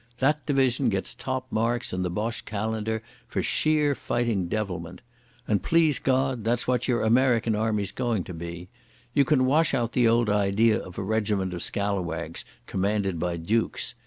That division gets top marks in the Boche calendar for sheer fighting devilment.... And, please God, that's what your American army's going to be. You can wash out the old idea of a regiment of scallawags commanded by dukes.